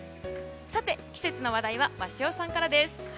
さて、季節の話題は鷲尾さんからです。